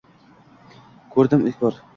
Ko’rdim ilk bor